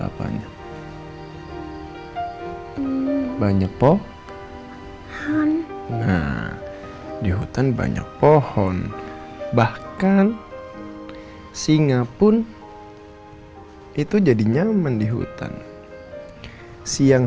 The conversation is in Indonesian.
apanya banyak pohon nah di hutan banyak pohon bahkan singa pun itu jadi nyaman di hutan siang